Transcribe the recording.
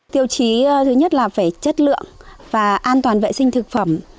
tiêu chí thứ nhất là phải chất lượng và an toàn vệ sinh thực phẩm